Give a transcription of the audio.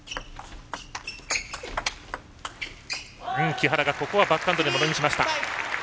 木原がここはバックハンドでものにしました。